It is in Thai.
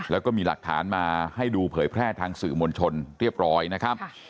แล้วก็มีหลักฐานมาให้ดูเผยแพร่ทางสื่อมวลชนเรียบร้อยนะครับ